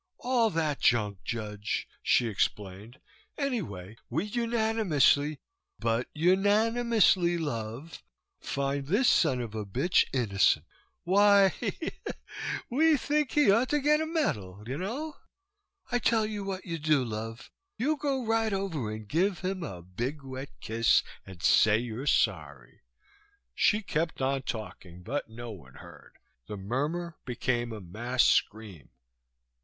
"All that junk, Judge," she explained, "anyway, we unanimously but unanimously, love! find this son of a bitch innocent. Why," she giggled, "we think he ought to get a medal, you know? I tell you what you do, love, you go right over and give him a big wet kiss and say you're sorry." She kept on talking, but no one heard. The murmur became a mass scream.